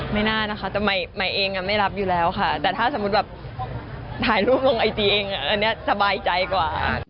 ไม่น่านะคะแต่ใหม่เองไม่รับอยู่แล้วค่ะแต่ถ้าสมมุติแบบถ่ายรูปลงไอจีเองอันนี้สบายใจกว่า